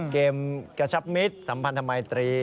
เกมกระชับมิตรสัมพันธมิตร